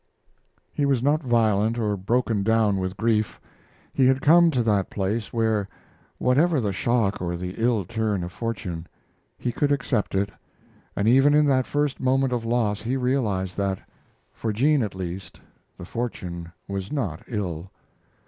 He was not violent or broken down with grief. He had come to that place where, whatever the shock or the ill turn of fortune, he could accept it, and even in that first moment of loss he realized that, for Jean at least, the fortune was not ill.